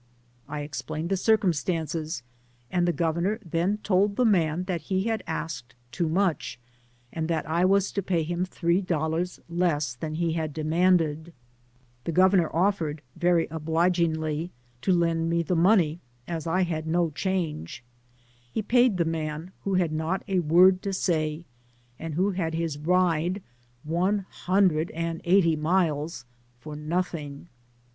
I explained the circ^titildtances, iuid the goreraor then told the man that he had asked too miich^ and that I was to pay him thre^ dollars less than he had demanded^ The governor offei^ very obligingly^ to lend me the tnon^y, as I hod lio change ; he paid the mOn, who had tlot fk word to say, and who had his ride, c^e hundred and eighty miles, for nothing.